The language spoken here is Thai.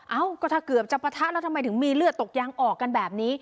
เอ้าก็ถ้าเกือบจะปะทะแล้วทำไมถึงมีเลือดตกยางออกกันแบบนี้